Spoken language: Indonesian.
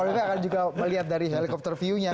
nanti pak bepan akan juga melihat dari helikopter view nya